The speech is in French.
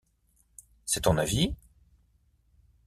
C'est ton avis ?